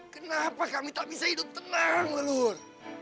kenapa kami tak bisa hidup tenang leluhur